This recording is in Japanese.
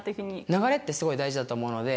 流れってすごい大事だと思うので。